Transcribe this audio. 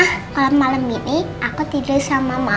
aku udah bilang sama oma kalau malam ini aku tidur sama mama sama papa